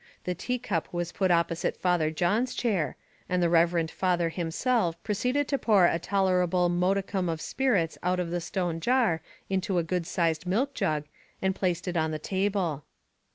The tea cup was put opposite Father John's chair, and the reverend father himself proceeded to pour a tolerable modicum of spirits out of the stone jar into a good sized milk jug, and placed it on the table.